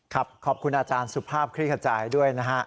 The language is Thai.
ขอบคุณอาจารย์สุภาพคลี่ขจายด้วยนะฮะ